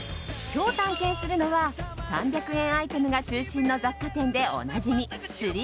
今日探検するのは３００円アイテムが中心の雑貨店でおなじみ３ＣＯＩＮＳ。